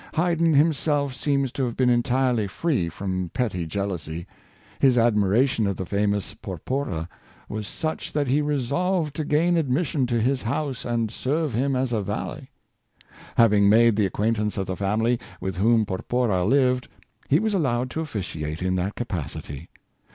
Haydn him self seems to have been entirely free from petty jeal ousy. His admiration of the famous Porpora was such that he resolved to gain admission to his house and serve him as a valet. Having made the acquaintance of the family with whom Porpora lived, he was allowed to officiate in that capacity.